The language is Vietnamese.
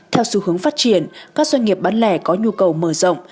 theo xu hướng phát triển các doanh nghiệp bán lẻ có nhu cầu mở rộng